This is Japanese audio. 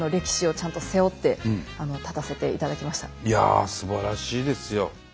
いやあすばらしいですよ。